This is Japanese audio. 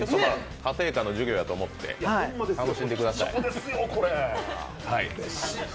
家庭科の授業やと思って楽しんでください。